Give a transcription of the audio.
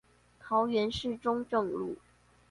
桃園市中正路